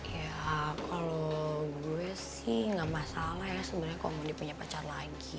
ya kalau gue sih nggak masalah ya sebenarnya kalau mau dia punya pacar lagi